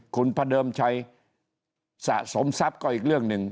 คุณพระเดิมชัยสะสมทรัพย์ก็อีกเรื่องหนึ่ง